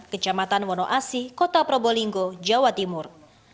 kecamatan wonoasi kota probolinggo jawa timur